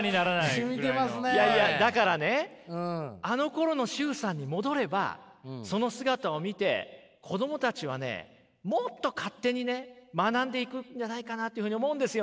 だからねあのころの崇さんに戻ればその姿を見て子供たちはねもっと勝手にね学んでいくんじゃないかなというふうに思うんですよね。